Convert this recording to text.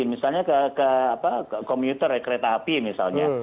misalnya ke komuter ya kereta hp misalnya